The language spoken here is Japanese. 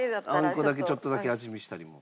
あんこだけちょっとだけ味見したりも。